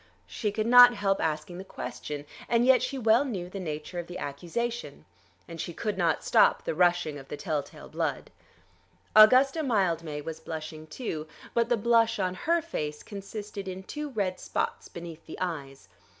She could not help asking the question, and yet she well knew the nature of the accusation. And she could not stop the rushing of the tell tale blood. Augusta Mildmay was blushing too, but the blush on her face consisted in two red spots beneath the eyes.